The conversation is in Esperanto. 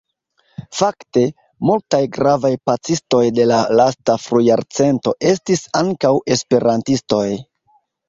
Fakte, multaj gravaj pacistoj de la lasta frujarcento estis ankaŭ esperantistoj.